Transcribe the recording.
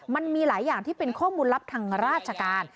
มันมีหลายอย่างที่เป็นข้อมูลลับทางราชการ